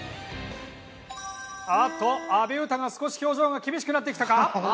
あっと阿部詩が少し表情が厳しくなってきたか？